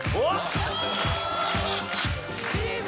いいね！